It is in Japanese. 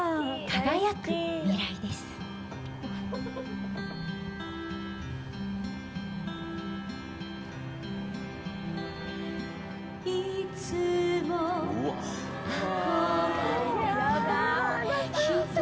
「輝く未来」ですさあ